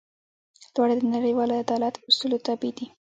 دواړه د نړیوال عدالت اصولو تابع دي.